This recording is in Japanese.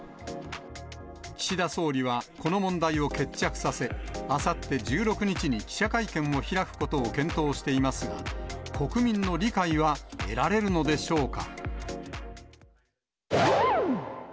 岸田総理はこの問題を決着させ、あさって１６日に記者会見を開くことを検討していますが、国民の理解は得られるのでしょうか。